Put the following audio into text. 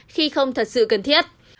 khi không thật sự cần thiết